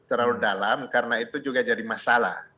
terlalu dalam karena itu juga jadi masalah